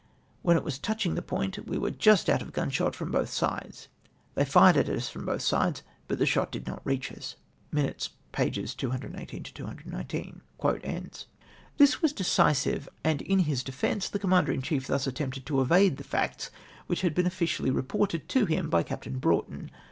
When it was touch ing the point we were just out of gunshot feom both sides. They fired at us from both sides, but the shot did not REACH US." (Miuides, pp. 218, 219.) This was decisive, and in liis defence, the Comman der in cliief thus attempted to evade the facts which liad been officially reported to him by Captain Brougli ton.